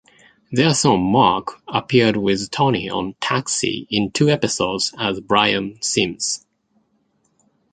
Their son Marc appeared with Tony on "Taxi" in two episodes as Brian Sims.